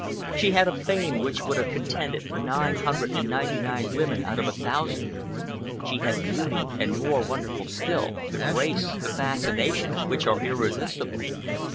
She had a fame which would have contented nine hundred and ninety nine women out of a thousand. She had beauty, and, more wonderful still, the grace, the fascination which are irresistible.